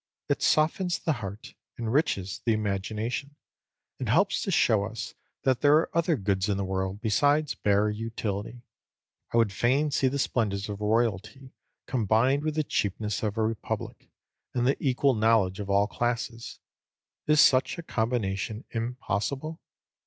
It softens the heart, enriches the imagination, and helps to show us that there are other goods in the world besides bare utility. I would fain see the splendours of royalty combined with the cheapness of a republic and the equal knowledge of all classes. Is such a combination impossible?